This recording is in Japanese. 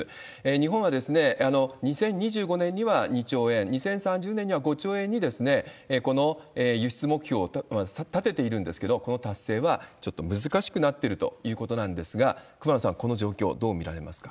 日本は２０２５年には２兆円、２０３０年には５兆円に輸出目標を立てているんですけれども、この達成はちょっと難しくなっているということなんですが、熊野さん、この状況、どう見られますか？